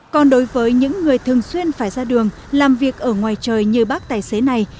còn đối với những người thường xuyên phải ra đường làm việc ở ngoài trời như bác tài xế này